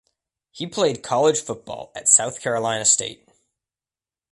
He played college football at South Carolina State.